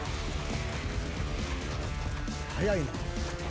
速いな。